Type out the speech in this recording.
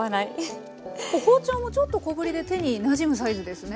包丁もちょっと小ぶりで手になじむサイズですね。